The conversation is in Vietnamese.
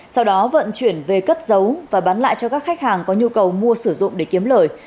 sau đó vận chuyển về cất giấu và bán lại cho các khách hàng có nhu cầu mua sử dụng để kiếm lời